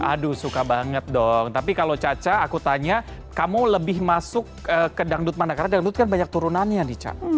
aduh suka banget dong tapi kalau caca aku tanya kamu lebih masuk ke dangdut mana karena dangdut kan banyak turunannya nih channel